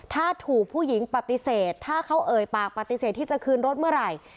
ถ้าถูกผู้หญิงปฏิเสธถ้าเขาเอ่ยปากปฏิเสธที่จะคืนรถเมื่อไหร่